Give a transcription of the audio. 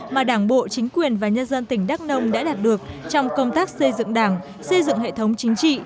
mà đảng bộ chính quyền và nhân dân tỉnh đắk nông đã đạt được trong công tác xây dựng đảng xây dựng hệ thống chính trị